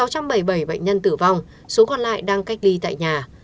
sáu trăm bảy mươi bảy ca f bệnh nhân tử vong số còn lại đang cách ly tại nhà